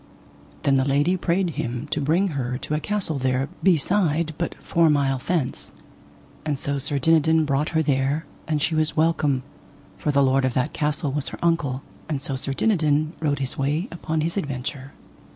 Then the lady prayed him to bring her to a castle there beside but four mile thence; and so Sir Dinadan brought her there, and she was welcome, for the lord of that castle was her uncle; and so Sir Dinadan rode his way upon his adventure.